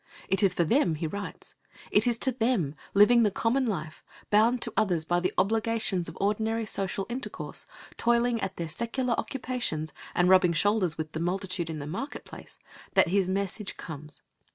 It is for them he writes. It is to them, living the common life, bound to others by the obligations of ordinary social intercourse, toiling at their secular occupations, and rubbing shoulders with the multitude in the market place, that his message comes.